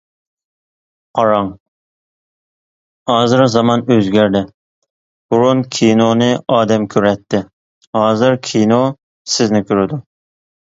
قاراڭ، ھازىر زامان ئۆزگەردى، بۇرۇن كىنونى ئادەم كۆرەتتى، ھازىر كىنو سىزنى كۆرىدۇ.